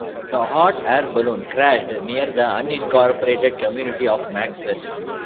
The hot air balloon crashed near the unincorporated community of Maxwell.